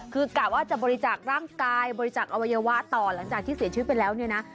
คือกะว่าจะบริจาคร่างกายบริจาคอวัยวะต่อหลังจากที่เสียชีวิตไปแล้วเนี่ยนะ